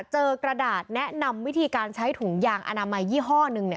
เจอกระดาษแนะนำวิธีการใช้ถุงยางอนามัยยี่ห้อนึง